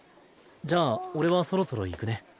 じゃあ俺はそろそろ行くね。